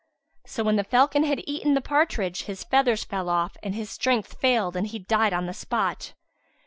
So when the falcon had eaten the partridge, his feathers fell off and his strength failed and he died on the spot.